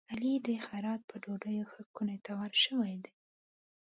علي د خیرات په ډوډيو ښه کوناټور شوی دی.